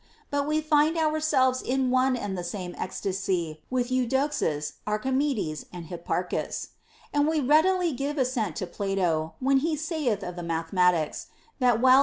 But we find ourselves in one and the same ecstasy with Eudoxus, Archimedes, and Hipparchus ; and we readily give assent to Plato when he saith of the mathematics, that while ig ACCORDING TO EPICURUS.